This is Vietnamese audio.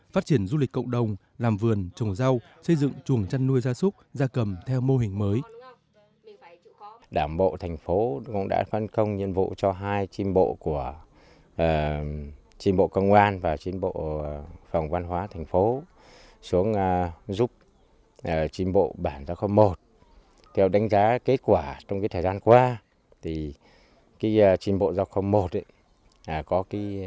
phát triển du lịch cộng đồng làm vườn trồng rau xây dựng chuồng chăn nuôi ra súc ra cầm theo mô hình mới